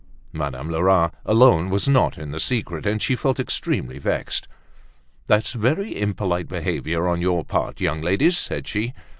Madame Lerat alone was not in the secret and she felt extremely vexed. "That's very impolite behavior on your part, young ladies," said she.